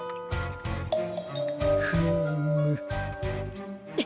フーム。